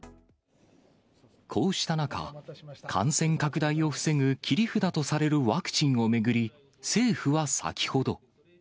こうした中、感染拡大を防ぐ切り札とされるワクチンを巡り、政府は先ほど。